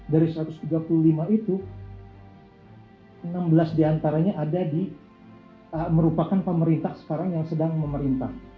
dari satu ratus tiga puluh lima itu enam belas diantaranya ada di merupakan pemerintah sekarang yang sedang memerintah